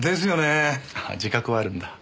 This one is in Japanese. あ自覚はあるんだ。